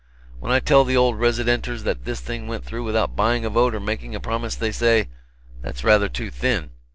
When I tell the old residenters that this thing went through without buying a vote or making a promise, they say, 'That's rather too thin.'